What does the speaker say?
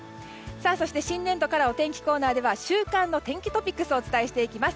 そして新年度からはお天気コーナーでは週間の天気トピックスをお伝えします。